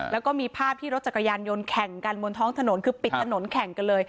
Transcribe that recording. แล้วก็มีภาพที่รถจักรยานยนต์แข่งกันบนท้องถนนคือปิดถนนแข่งกันเลย